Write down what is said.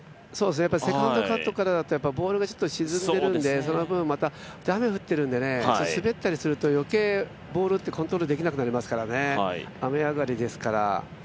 セカンドカットからだとボールが沈んでいるのでその分また、雨が降っているので滑ったりすると余計ボールってコントロールできなくなりますからね、雨上がりですから。